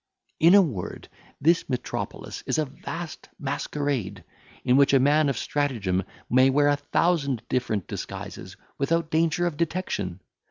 "In a word, this metropolis is a vast masquerade, in which a man of stratagem may wear a thousand different disguises, without danger of detection.